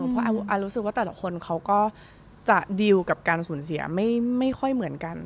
เพราะอาร์อารูรู้สึกว่าแต่ละคนเขาก็จะดีลกับการศุ่นย์เสียร้อนไม่ค่อยเหมือนกัน